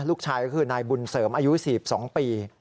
ลูกชายก็คือนายบุญเสริมอายุ๔๒ปี